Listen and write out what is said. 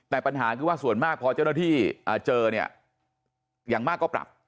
แต่ปัญหาคือว่าส่วนมากพอเจ้าหน้าที่เจอเนี่ยอย่างมากก็ปรับ